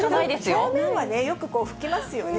表面はよく拭きますよね。